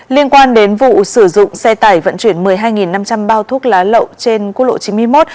liên quan đến vụ sử dụng xe tải vận chuyển một mươi hai năm trăm linh bao thuốc lá lậu trên quốc lộ chín mươi một